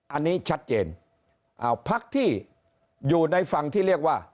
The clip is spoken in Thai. อันนี้ชัดเจนพักที่อยู่ในฝั่งที่เรียกว่า